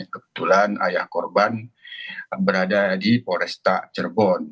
kebetulan ayah korban berada di poresta cirebon